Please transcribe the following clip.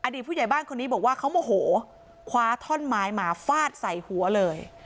ผู้ใหญ่บ้านคนนี้บอกว่าเขาโมโหคว้าท่อนไม้มาฟาดใส่หัวเลย